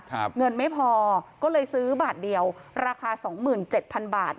เงินไม่พอก็เลยซื้อบาทเดียวราคาสองหมื่นเจ็ดพันบาท